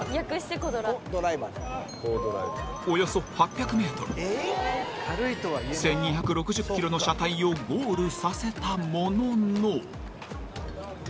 およそ８００ｍ１２６０ｋｇの車体をゴールさせたものの。